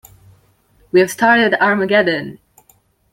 We have started Armageddon!